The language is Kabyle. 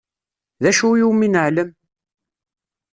D acu iwumi neεlem?